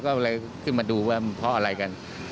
ก็เลยขึ้นมาดูว่าเพราะอะไรกัน